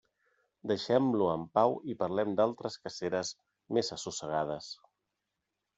Deixem-lo en pau i parlem d'altres caceres més assossegades.